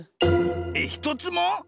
えっひとつも？